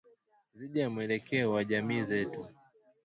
dhidi ya mwelekeo wa jamii zetu